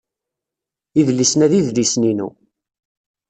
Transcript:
Idlisen-a d idlisen-inu.